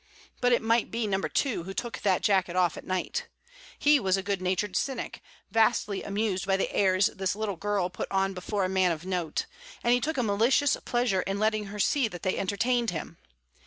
But it might be number two who took that jacket off at night. He was a good natured cynic, vastly amused by the airs this little girl put on before a man of note, and he took a malicious pleasure in letting her see that they entertained him.